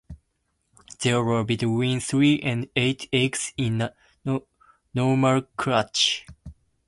There are between three and eight eggs in a normal clutch.